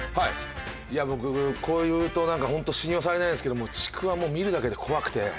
いや僕こう言うとなんかホント信用されないんですけどもちくわもう見るだけで怖くて。